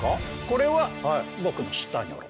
これは僕の舌ニョロ。